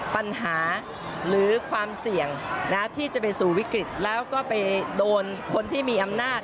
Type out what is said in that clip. ปัญหาหรือความเสี่ยงที่จะไปสู่วิกฤตแล้วก็ไปโดนคนที่มีอำนาจ